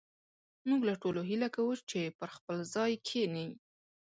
موږ له ټولو هيله کوو چې پر خپل ځاى کښېنئ